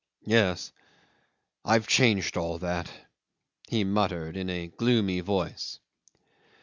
'"Yes I've changed all that," he muttered in a gloomy voice.